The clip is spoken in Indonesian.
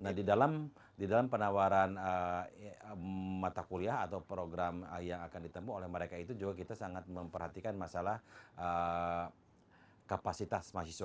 nah di dalam penawaran mata kuliah atau program yang akan ditempuh oleh mereka itu juga kita sangat memperhatikan masalah kapasitas mahasiswa